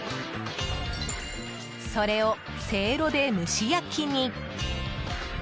それを、せいろで蒸し焼きに。